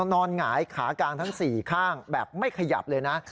หงายขากลางทั้ง๔ข้างแบบไม่ขยับเลยนะ